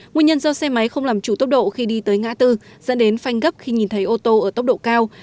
nguyên nhân do xe máy không làm chủ tốc độ khi đi tới ngã tư dẫn đến phanh gấp khi nhìn thấy ô tô ở tốc độ cao